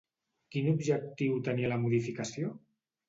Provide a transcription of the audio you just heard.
Quin objectiu tenia la modificació?